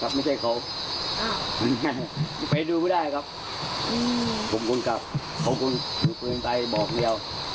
ผมควรกลับขอบคุณคือคืนไปบอกเดียว